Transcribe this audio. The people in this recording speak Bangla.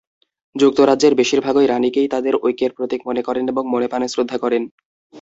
যুক্তরাজ্যে বেশিরভাগই রানীকেই তাদের ঐক্যের প্রতীক মনে করেন এবং মনেপ্রাণে শ্রদ্ধা করেন।